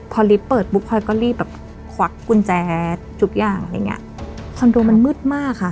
พอลิฟต์เปิดปุ๊บพลอยก็รีบแบบควักกุญแจทุกอย่างอะไรอย่างเงี้ยคอนโดมันมืดมากค่ะ